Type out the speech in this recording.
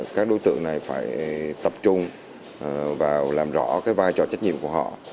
các đối tượng này phải tập trung vào làm rõ vai trò trách nhiệm của họ